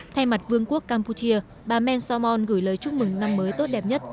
thay mặt vương quốc campuchia bà men somon gửi lời chúc mừng năm mới tốt đẹp nhất